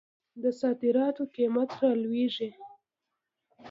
د صادراتو قیمت رالویږي.